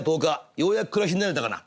ようやく暮らしに慣れたかな。